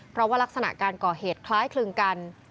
เพราะว่ารักษณะการก่อเหตุคล้ายคลึงกัน